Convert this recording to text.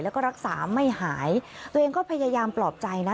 แล้วก็รักษาไม่หายตัวเองก็พยายามปลอบใจนะ